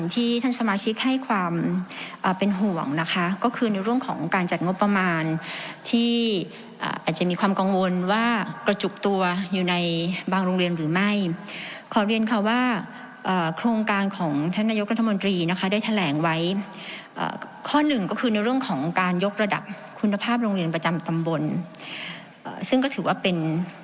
ที่ท่านสมาชิกให้ความเป็นห่วงนะคะก็คือในเรื่องของการจัดงบประมาณที่อาจจะมีความกังวลว่ากระจุกตัวอยู่ในบางโรงเรียนหรือไม่ขอเรียนค่ะว่าโครงการของท่านนายกรัฐมนตรีนะคะได้แถลงไว้ข้อหนึ่งก็คือในเรื่องของการยกระดับคุณภาพโรงเรียนประจำตำบลซึ่งก็ถือว่าเป็น